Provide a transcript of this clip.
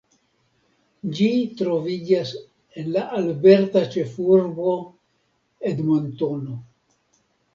Ĝi troviĝas en la alberta ĉefurbo Edmontono.